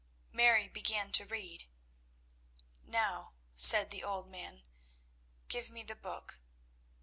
Mary began to read. "Now," said the old man, "give me the book."